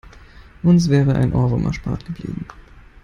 Uns wäre ein Ohrwurm erspart geblieben.